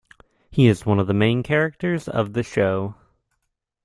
He is one of the main characters of the show.